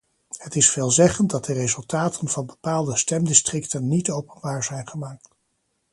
Het is veelzeggend dat de resultaten van bepaalde stemdistricten niet openbaar zijn gemaakt.